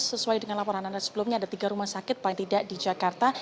sesuai dengan laporan anda sebelumnya ada tiga rumah sakit paling tidak di jakarta